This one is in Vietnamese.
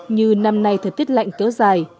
như năm nay thời tiết lạnh kéo dài